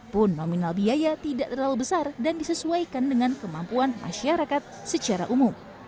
pun nominal biaya tidak terlalu besar dan disesuaikan dengan kemampuan masyarakat secara umum